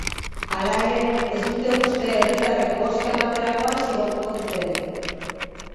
Hala ere, ez dute uste herritarrekbozka ematerakoan zigortuko dutenik.